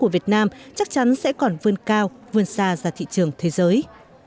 việt nam chắc chắn sẽ còn vươn cao vươn xa ra thị trường thế giới